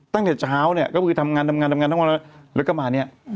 ตั้งแต่เช้าก็คือทำงานทำงานทำงานทำงานแล้วก็มานี่